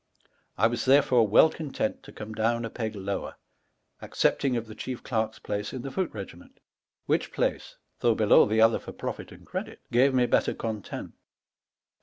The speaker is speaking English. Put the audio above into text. ^Sectiov XIII. I was therefore well content to come downe a peg lower, accepting of the chief clarke's place iu the foot regiment, which place (though m, bclowe the other for profit and credit) gave me better content ; for